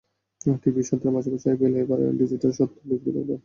TV স্বত্বের পাশাপাশি আইপিএলে এবার ডিজিটাল স্বত্বও বিক্রি করবে ভারতীয় ক্রিকেট বোর্ড।